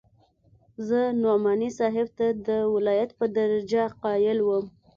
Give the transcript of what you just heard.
زه نعماني صاحب ته د ولايت په درجه قايل وم.